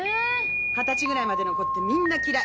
二十歳ぐらいまでの子ってみんな嫌い。